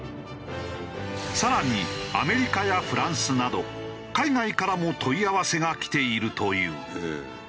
更にアメリカやフランスなど海外からも問い合わせがきているという。